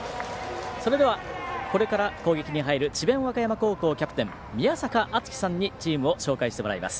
それでは、これから攻撃に入る智弁和歌山高校キャプテン宮坂厚希さんにチームを紹介してもらいます。